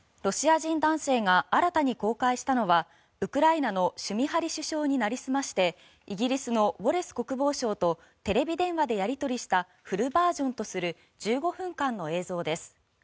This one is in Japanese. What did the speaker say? ロシア人男性が新たに公開したのはウクライナのシュミハリ首相になりすましてイギリスのウォレス国防相とテレビ電話でやり取りしたフルバージョンとする１５分間の映像です。